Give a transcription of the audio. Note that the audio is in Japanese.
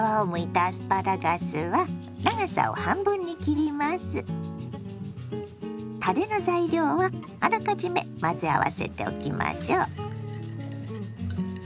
たれの材料はあらかじめ混ぜ合わせておきましょ。